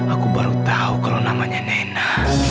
aku baru tahu kalau namanya nena